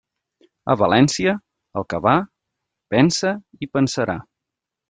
A València, el que va, pensa i pensarà.